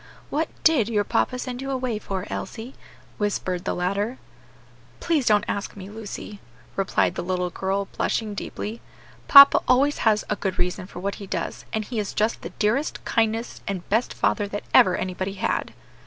"What did your papa send you away for, Elsie?" whispered the latter. "Please don't ask me, Lucy," replied the little girl, blushing deeply. "Papa always has a good reason for what he does, and he is just the dearest, kindest, and best father that ever anybody had."